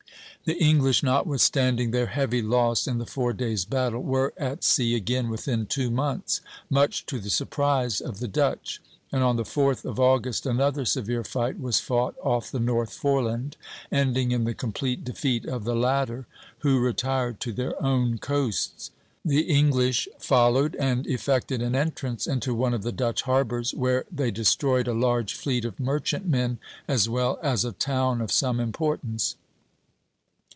The English, notwithstanding their heavy loss in the Four Days' Battle, were at sea again within two months, much to the surprise of the Dutch; and on the 4th of August another severe fight was fought off the North Foreland, ending in the complete defeat of the latter, who retired to their own coasts. The English followed, and effected an entrance into one of the Dutch harbors, where they destroyed a large fleet of merchantmen as well as a town of some importance.